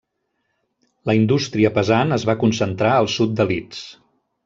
La indústria pesant es va concentrar al sud de Leeds.